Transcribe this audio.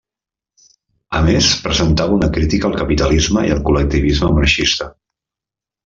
A més, presentava una crítica al capitalisme i al col·lectivisme marxista.